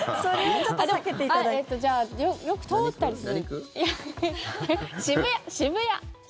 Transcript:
じゃあよく通ったりする。